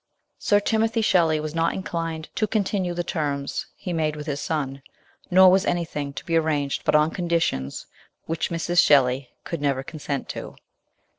Sir Timothy Shelley was not inclined to continue the terms he made with his son, nor was anything to be arranged but on conditions which Mrs. Shelley could never consent to.